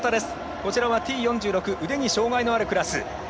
こちらはＴ４６腕に障がいのあるクラス。